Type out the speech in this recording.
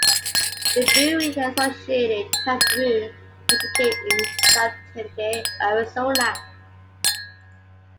The brewery and associated tap room was located in South Tempe, Arizona.